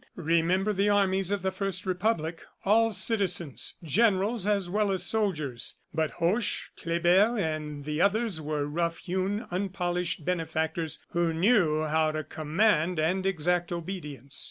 Remember the armies of the first Republic all citizens, Generals as well as soldiers, but Hoche, Kleber and the others were rough hewn, unpolished benefactors who knew how to command and exact obedience."